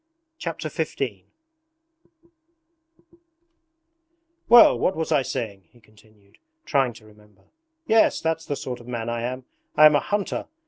Chapter XV 'Well, what was I saying?' he continued, trying to remember. 'Yes, that's the sort of man I am. I am a hunter.